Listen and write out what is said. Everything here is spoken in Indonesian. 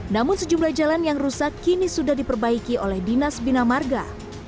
namun sejumlah jalan yang rusak kini sudah diperbaiki oleh dinas bina marga